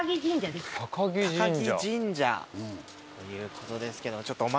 高木神社ということですけど。